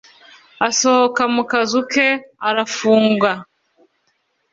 asohoka mu kazu ke aramufunga